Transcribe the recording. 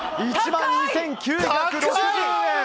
１万２９６０円！